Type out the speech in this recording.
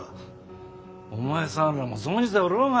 お前さんらも存じておろうが。